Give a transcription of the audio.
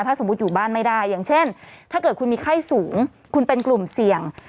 ถ้าสมมุติอยู่บ้านไม่ได้อย่างเช่นถ้าเกิดคุณมีไข้สูงคุณเป็นกลุ่มเสี่ยง